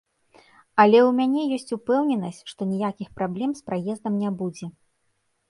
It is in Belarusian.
Але ў мяне ёсць упэўненасць, што ніякіх праблем з праездам не будзе.